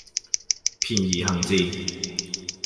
便宜行事